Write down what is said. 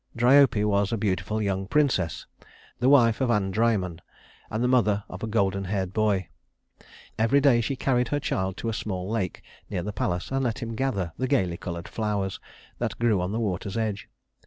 Dryope was a beautiful young princess, the wife of Andræmon, and the mother of a golden haired boy. Every day she carried her child to a small lake near the palace, and let him gather the gayly colored flowers that grew on the water's edge.